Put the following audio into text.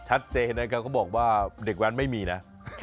ชัดเจนนะครับเขาบอกว่าเด็กแว้นไม่มีนะ